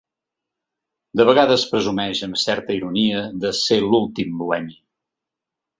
De vegades presumeix amb certa ironia de ser l’últim bohemi.